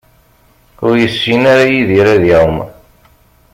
Ur yessin ara Yidir ad iɛumm.